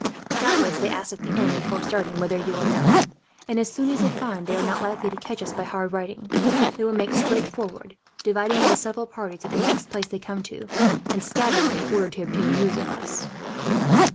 Doubtless they asked at the inn, before starting, whether you were known; and as soon as they find they are not likely to catch us by hard riding, they will make straight forward, dividing into several parties at the next place they come to, and scattering in order to obtain news of us."